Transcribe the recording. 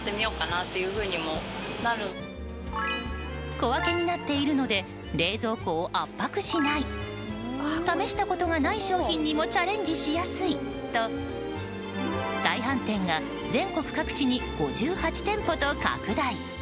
小分けになっているので冷蔵庫を圧迫しない試したことがない商品にもチャレンジしやすいと再販店が全国各地に５８店舗と拡大。